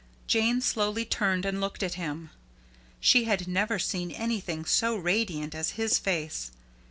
Jane slowly turned and looked at him. She had never seen anything so radiant as his face.